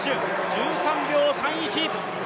１３秒３１。